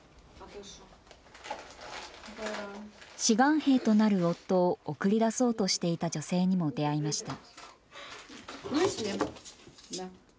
志願兵となる夫を送り出そうとしていた女性にも出会いました。